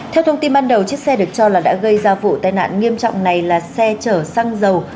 bước tiên ban đầu chiếc xe được cho là đã gây ra vụ tai nạn nghiêm trọng này là xe chở xăng dầu